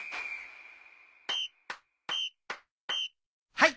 はい！